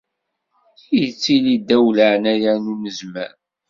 Ittili ddaw n leεnaya n Unezmar.